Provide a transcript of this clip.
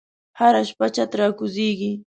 هره شپه چت راکوزیږې